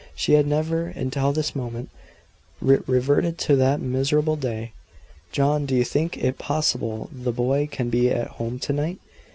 She had never, until this moment, reverted to that miserable day. "John, do you think it possible the boy can be at home to night?"